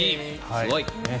すごい！